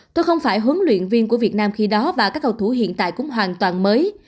tôi không phải huấn luyện viên của việt nam khi đó và các cầu thủ hiện tại cũng hoàn toàn mới